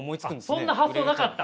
あっそんな発想なかった？